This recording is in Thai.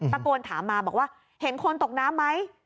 ตะโกนถามมาบอกว่าเห็นคนตกน้ำไหม